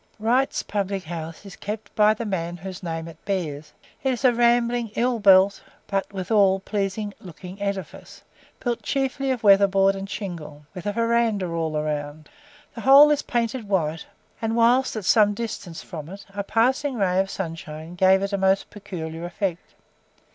Wright's public house is kept by the man whose name it bears; it is a rambling ill built, but withal pleasing looking edifice, built chiefly of weather board and shingle, with a verandah all round. The whole is painted white, and whilst at some distance from it a passing ray of sunshine gave it a most peculiar effect.